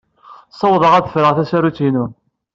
Ssawḍeɣ ad d-afeɣ tasarut-inu.